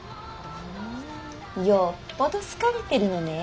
ふんよっぽど好かれてるのねえ。